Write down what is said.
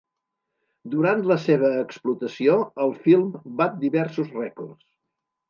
Durant la seva explotació, el film bat diversos rècords.